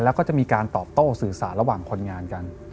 แล้วก็จะมีการตอบโต้สื่อสารระหว่างคนงานกัน